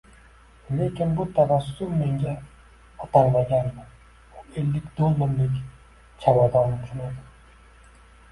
Lekin bu tabassum menga atalmagandi. U ellik dollarlik chamadon uchun edi.